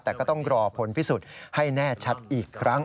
แต่ก็ต้องรอผลพิสูจน์ให้แน่ชัดอีกครั้ง